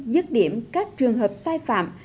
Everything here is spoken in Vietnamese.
dứt điểm các trường hợp sai phạm